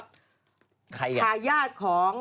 ใครอ่ะจักรจันทร์ทายาทของ